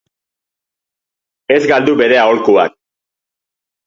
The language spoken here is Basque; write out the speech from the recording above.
Ez galdu bere aholkuak!